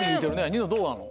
ニノどうなの？